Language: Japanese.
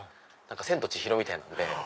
『千と千尋』みたいなので。